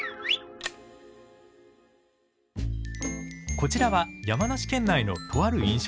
こちらは山梨県内のとある飲食店。